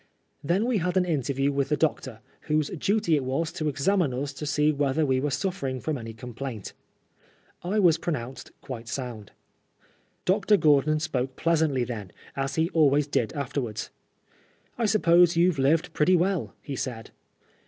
Then we had an interview with the doctor, whose duty it was to examine ns to see whether we were snffering from any complaint. I was pronounced quite sound. Dr. Gk)rdon spoke pleasantly then, as he always did afterwards. I suppose you've lived pretty well ?" he said.